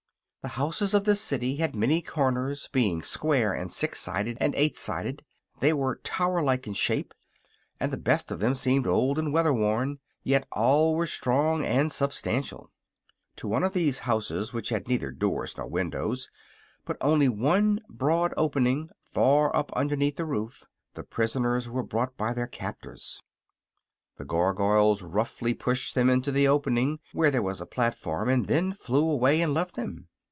The houses of this city had many corners, being square and six sided and eight sided. They were tower like in shape and the best of them seemed old and weather worn; yet all were strong and substantial. To one of these houses which had neither doors nor windows, but only one broad opening far up underneath the roof, the prisoners were brought by their captors. The Gargoyles roughly pushed them into the opening, where there was a platform, and then flew away and left them.